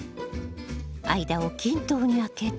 間を均等に空けて。